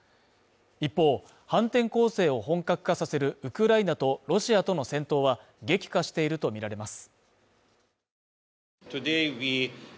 一方、反転攻勢を本格化させるウクライナとロシアとの戦闘は激化しているとみられます。